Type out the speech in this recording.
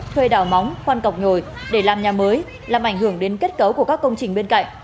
thuê đào móng khoan cọc nhồi để làm nhà mới làm ảnh hưởng đến kết cấu của các công trình bên cạnh